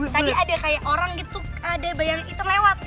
tadi ada kayak orang gitu ada bayang eter lewat